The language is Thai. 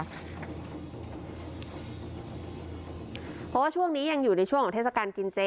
เพราะว่าช่วงนี้ยังอยู่ในช่วงของเทศกาลกินเจ